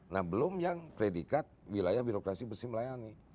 nah belum yang predikat wilayah birokrasi bersimulasi